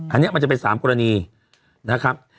อันนี้มันจะเป็น๓กรณีนะครับ